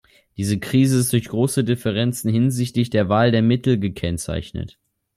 Diese Krise ist durch große Differenzen hinsichtlich der Wahl der Mittel gekennzeichnet.